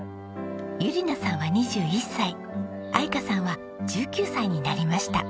優梨菜さんは２１歳愛華さんは１９歳になりました。